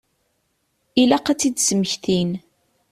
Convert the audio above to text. Ilaq ad tt-id-smektin.